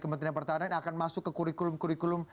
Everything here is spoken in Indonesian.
kementerian pertahanan akan masuk ke kurikulum kurikulum